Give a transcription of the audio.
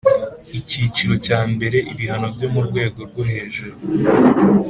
Icyiciro cya mbere Ibihano byo mu rwego rwo hejuru